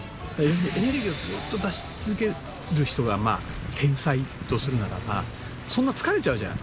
エネルギーをずっと出し続ける人が天才とするならばそんな疲れちゃうじゃん。